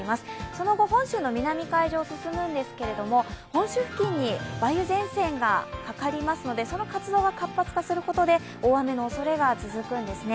その後、本州の南海上を進むんですけども、本州付近に梅雨前線がかかりますのでその活動が活発することで大雨の恐れが続くんですね。